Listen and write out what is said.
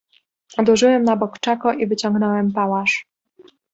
"Odłożyłem na bok czako i wyciągnąłem pałasz."